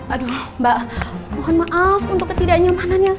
aduh mbak mohon maaf untuk ketidaknyamanannya